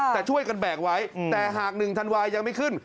แต่ช่วยกันแบกไว้แต่หาก๑ธันวายังไม่ขึ้น